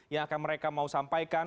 yang akan mereka mau sampaikan